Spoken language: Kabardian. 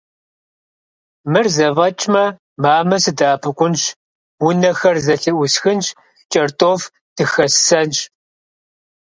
Мыр зэфӏэкӏмэ, мамэ сыдэӏэпыкъунщ, унэхэр зэлъыӏусхынщ, кӏэртӏоф дыхэссэнщ.